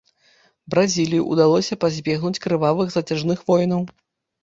Бразіліі ўдалося пазбегнуць крывавых зацяжных войнаў.